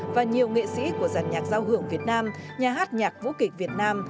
và nhiều nghệ sĩ của giàn nhạc giao hưởng việt nam nhà hát nhạc vũ kịch việt nam